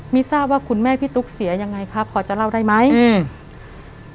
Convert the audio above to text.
มีทราบว่าคุณแม่พี่ตุ๊กเสียยังไงครับพอจะเล่าได้ไหมอืม